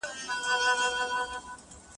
استاد باید شاګرد ته نوي لاري وښيي.